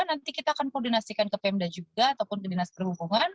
nanti kita akan koordinasikan ke pemda juga ataupun ke dinas perhubungan